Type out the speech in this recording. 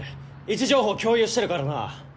位置情報を共有してるからな。